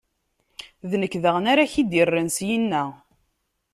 D nekk daɣen ara k-id-irren syenna.